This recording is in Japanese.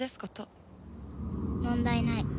問題ない。